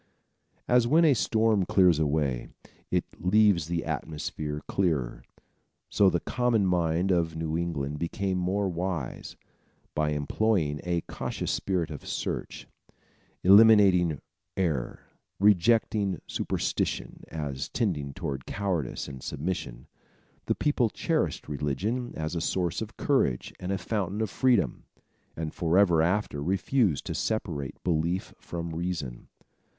As when a storm clears away, it leaves the atmosphere clearer, so the common mind of New England became more wise. By employing a cautious spirit of search, eliminating error, rejecting superstition as tending toward cowardice and submission, the people cherished religion as a source of courage and a fountain of freedom, and forever after refused to separate belief from reason.